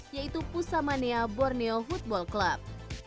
yaitu pusamania borneo football club